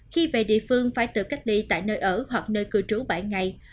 khi về địa phương phải tự cách ly tại nơi ở hoặc nơi cư trú bảy ngày